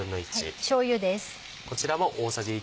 しょうゆです。